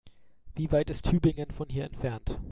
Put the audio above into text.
Wie weit ist Tübingen von hier entfernt?